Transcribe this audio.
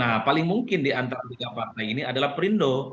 nah paling mungkin diantara tiga partai ini adalah perindo